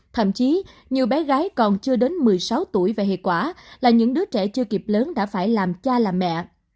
thậm chí nhiều bé gái còn chưa đến một mươi sáu tuổi và hệ quả là những đứa trẻ chưa kịp lớn đã phải làm cha làm mẹ